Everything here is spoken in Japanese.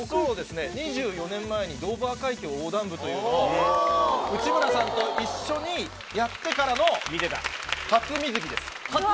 ２４年前に、ドーバー海峡横断部というのを内村さんと一緒にやってからの初水着です。